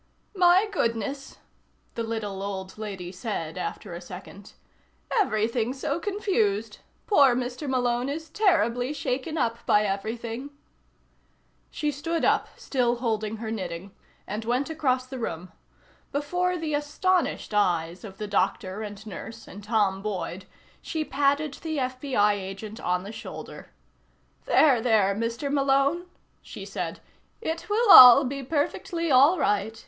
"My goodness," the little old lady said after a second. "Everything's so confused. Poor Mr. Malone is terribly shaken up by everything." She stood up, still holding her knitting, and went across the room. Before the astonished eyes of the doctor and nurse, and Tom Boyd, she patted the FBI agent on the shoulder. "There, there, Mr. Malone," she said. "It will all be perfectly all right.